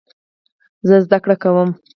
زه زده کړه کوم.